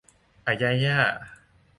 อะไยอ่ะ